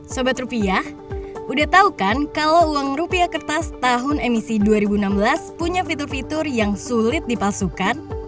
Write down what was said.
sobat rupiah udah tau kan kalau uang rupiah kertas tahun emisi dua ribu enam belas punya fitur fitur yang sulit dipalsukan